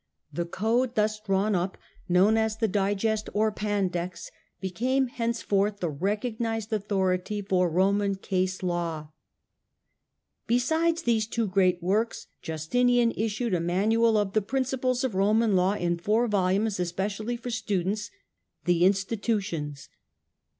The code thus drawn up, known as the Digest or Pandects, became henceforth the recognised authority for Roman case law. The insti Besides these two great works, Justinian issued a manual of the principles of Roman law in four volumes, specially for students — the Institutions.